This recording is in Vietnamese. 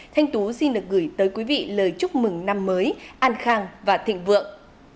thanh tú xin được gửi tới quý vị lời chúc mừng năm mới an khang và thịnh vượng